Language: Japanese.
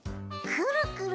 くるくる？